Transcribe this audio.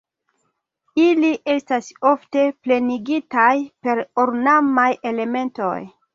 Ili estas ofte plenigitaj per ornamaj elementoj.